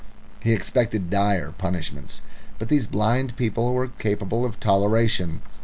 He expected dire punishments, but these blind people were capable of toleration.